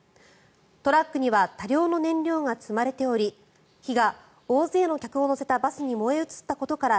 トラックには多量の燃料が積まれており火が大勢の客を乗せたバスに燃え移ったことから